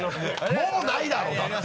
もうないだろうだって！